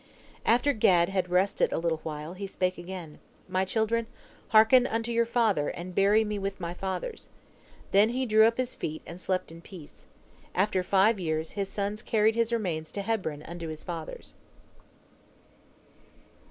After Gad had rested a little while, he spake again, "My children, hearken unto your father, and bury me with my fathers." Then he drew up his feet, and slept in peace. After five years, his sons carried his remains to Hebron unto his fathers.